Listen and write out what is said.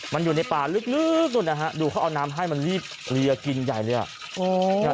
มันอยู่ในป่าลึกนู่นนะฮะดูเขาเอาน้ำให้มันรีบเลียกินใหญ่เลยอ่ะ